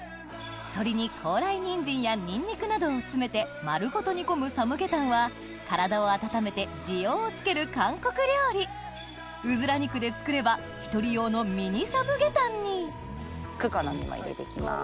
鶏に高麗人参やニンニクなどを詰めて丸ごと煮込むサムゲタンは体を温めて滋養をつける韓国料理うずら肉で作れば１人用のミニサムゲタンにクコの実も入れて行きます。